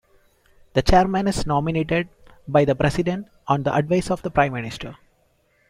The Chairman is nominated by the President, on the advice of the Prime minister.